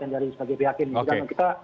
yang dari sebagai pihak ini karena kita